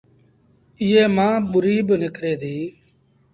ايئي مآݩ ٻُوريٚ با نڪري ديٚ۔